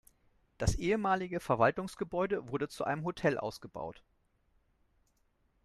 Das ehemalige Verwaltungsgebäude wurde zu einem Hotel ausgebaut.